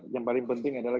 yang paling penting adalah